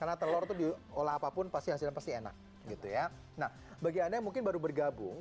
karena telur dioleh apapun pasti masih pasti enak gitu ya nah bagiannya mungkin baru bergabung